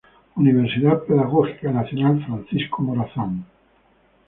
Universidad Pedagógica Nacional Francisco Morazán.